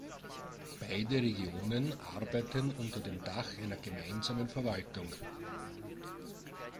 Beide Regionen arbeiten unter dem Dach einer gemeinsamen Verwaltung.